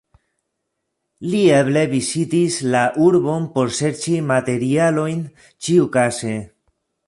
Li eble vizitis la urbon por serĉi materialojn ĉiukaze.